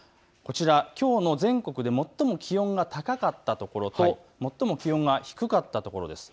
きょう全国で最も気温が高かったところと最も気温が低かったところです。